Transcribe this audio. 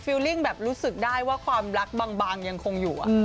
ลิ่งแบบรู้สึกได้ว่าความรักบางยังคงอยู่